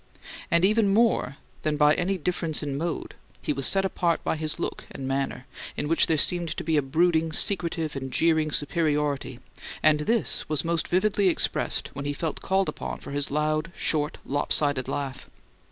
And even more than by any difference in mode he was set apart by his look and manner, in which there seemed to be a brooding, secretive and jeering superiority and this was most vividly expressed when he felt called upon for his loud, short, lop sided laugh.